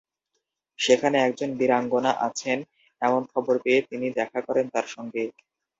সেখানে একজন বীরাঙ্গনা আছেন এমন খবর পেয়ে তিনি দেখা করেন তাঁর সঙ্গে।